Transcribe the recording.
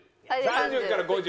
３０から５０。